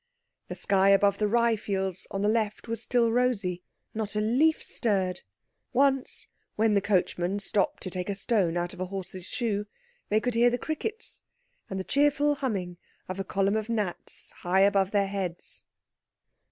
The sky above the rye fields on the left was still rosy. Not a leaf stirred. Once, when the coachman stopped to take a stone out of a horse's shoe, they could hear the crickets, and the cheerful humming of a column of gnats high above their heads.